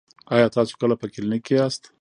ایا تاسو کله په کلینیک کې یاست؟